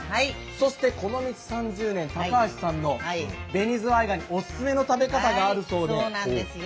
そしてこの道３０年、高橋さんのベニズワイガニ、お勧めの食べ方があるそうで。